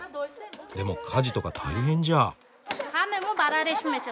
でも家事とか大変じゃ？